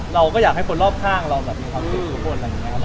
เราก็อยากให้คนรอบข้างเรามีความสุขกับคน